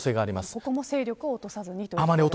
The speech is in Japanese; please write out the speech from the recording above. そこも勢力を落とさずにということ。